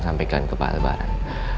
sampaikan ke pak aldebaran